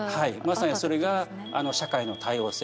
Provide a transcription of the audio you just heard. まさにそれが社会の多様性